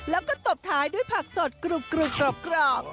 แล้วก็ตบท้ายด้วยผักสดกรุบกรอบ